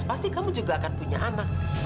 pasti kamu juga akan punya anak